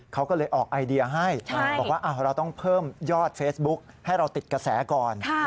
เขาก็เลยออกไอเดียให้บอกว่าเราต้องเพิ่มยอดเฟซบุ๊คให้เราติดกระแสก่อน